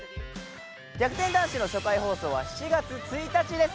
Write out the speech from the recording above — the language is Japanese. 『逆転男子』の初回放送は７月１日です。